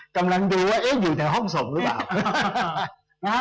กำลังดูว่าอยู่แต่ห้องศพหรือเปล่า